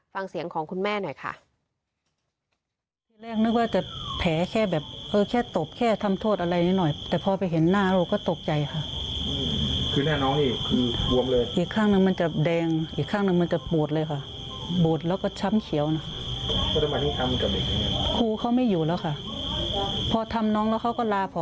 ฟังเสียงของคุณแม่หน่อยค่ะ